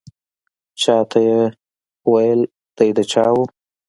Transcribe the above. چا ته یې وې دی د چا و.